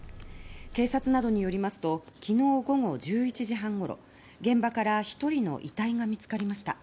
警察などによりますと昨日午後１１時半ごろ現場から１人の遺体が見つかりました。